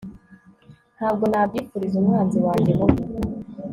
Ntabwo nabyifuriza umwanzi wanjye mubi